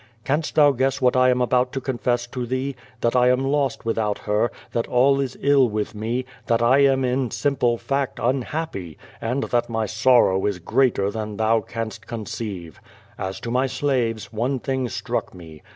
Canst thou guess what I am about to con fess to thee? That I am lost without her, that all is ill with me, that I am in simple fact unhappy, and that my sorrow is greater than thou canst conceive. As to my slaves, one thing struck me.